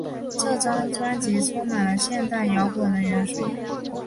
这张专辑充满了现代摇滚的元素。